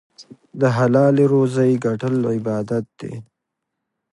د حلالې روزۍ ګټل عبادت دی.